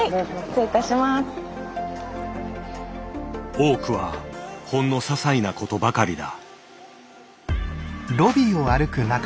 多くはほんのささいなことばかりだ。